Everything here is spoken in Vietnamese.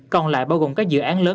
còn lại bao gồm các dự án lớn